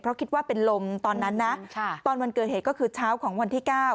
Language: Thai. เพราะคิดว่าเป็นลมตอนนั้นนะตอนวันเกิดเหตุก็คือเช้าของวันที่๙